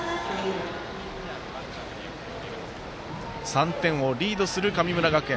３点をリードする神村学園。